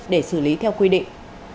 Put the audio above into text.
để xử lý theo quy định